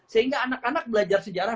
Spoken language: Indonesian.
sehingga anak anak belajar sejarah